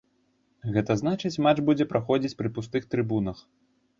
Гэта значыць, матч будзе праходзіць пры пустых трыбунах.